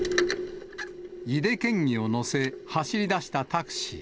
井手県議を乗せ、走りだしたタクシー。